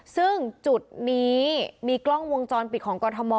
ซึ่งจุดนี้มีกล้องวงจรปิดของกรทม